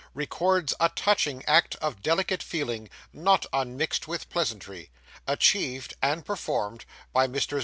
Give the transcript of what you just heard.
RECORDS A TOUCHING ACT OF DELICATE FEELING, NOT UNMIXED WITH PLEASANTRY, ACHIEVED AND PERFORMED BY Messrs.